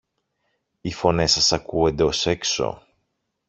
Οι φωνές σας ακούονται ως έξω!